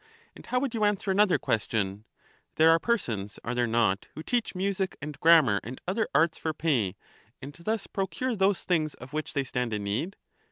And how would you answer another question ? There The arts too are persons, are there not, who teach music and grammar J*5 ^^hem and other arts for pay, and thus procure those things of the needs of which they stand in need